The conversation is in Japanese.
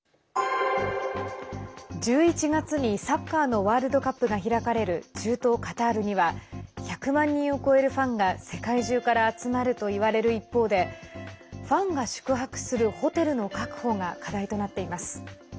１１月にサッカーのワールドカップが開かれる中東カタールには１００万人を超えるファンが世界中から集まるといわれる一方でファンが宿泊するホテルの確保が課題となっています。